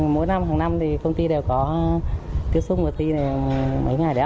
mỗi năm hằng năm thì công ty đều có tiếp xúc mùa thi này mấy ngày đấy ạ